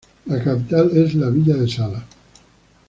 La capital es la villa de Sala.